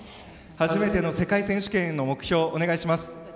初めての世界選手権への目標お願いします。